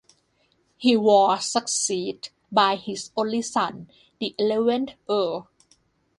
He was succeeded by his only son, the eleventh Earl.